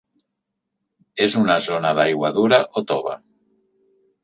És una zona d'aigua dura o tova?